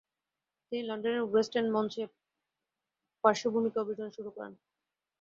তিনি লন্ডনের West End মঞ্চে পার্শ্ব ভূমিকায় অভিনয় শুরু করেন।